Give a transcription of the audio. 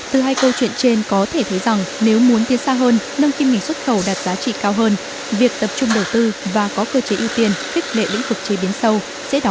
từ hai câu chuyện trên có thể thấy rằng nếu muốn tiến xa hơn nâng kim ngạch xuất khẩu đạt giá trị cao hơn việc tập trung đầu tư và có cơ chế ưu tiên khích lệ lĩnh vực chế biến sâu sẽ đạt được